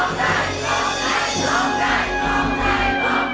ร้องได้ร้องได้ร้องได้